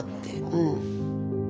うん。